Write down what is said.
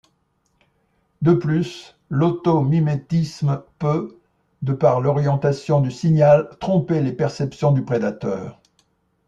De plus, l'automimétisme peut, de par l'orientation du signal, tromper les perceptions du prédateurs.